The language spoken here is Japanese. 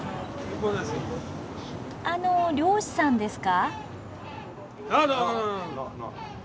あの漁師さんですか？